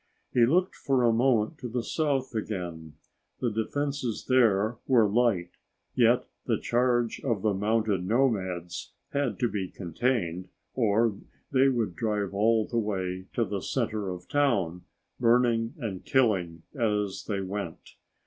He looked for a moment to the south again. The defenses there were light, yet the charge of the mounted nomads had to be contained or they would drive all the way to the center of town, burning and killing as they went.